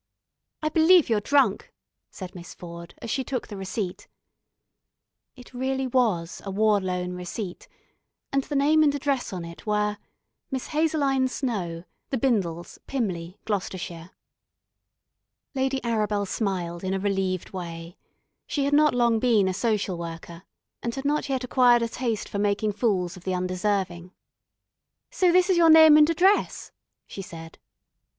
"I believe you're drunk," said Miss Ford, as she took the receipt. It really was a War Loan receipt, and the name and address on it were: "Miss Hazeline Snow, The Bindles, Pymley, Gloucestershire." Lady Arabel smiled in a relieved way. She had not long been a social worker, and had not yet acquired a taste for making fools of the undeserving. "So this is your name and address," she said.